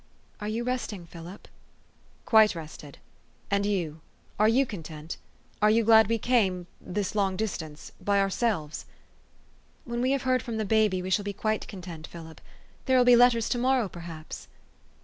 " Are you resting, Philip? "" Quite rested. And you are you content? Are you glad we came this long distance by our selves? "" When we have heard from the baby, we shall be quite content, Philip. There will be letters to morrow, perhaps."